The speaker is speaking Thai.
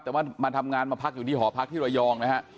แต่ว่ามาทำงานมาพักอยู่ที่หอพักที่ระยองนะฮะ